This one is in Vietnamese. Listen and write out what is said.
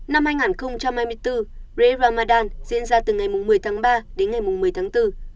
năm hai nghìn hai mươi bốn bredan diễn ra từ ngày một mươi tháng ba đến ngày một mươi tháng bốn